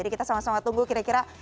kita sama sama tunggu kira kira